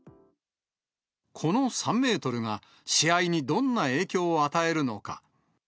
この３メートルが、試合にどんな影響を与えるのか。